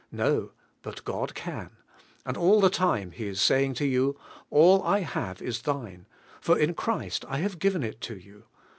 No, tint God can; and all the t ime He is saying to you : "All I have is thine; for in Christ I have given it to you.